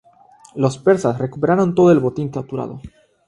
Los persas recuperaron todo el botín capturado.